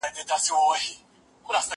زه کولای شم کتاب ولولم؟